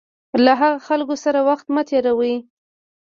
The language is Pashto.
له هغه خلکو سره وخت مه تېروئ.